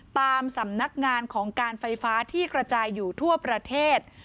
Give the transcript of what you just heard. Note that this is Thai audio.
ตามสำนักงานของการไฟฟ้าที่กระจายอยู่ทั่วประเทศ